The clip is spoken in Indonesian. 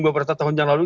beberapa tahun yang lalu